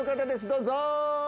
どうぞ。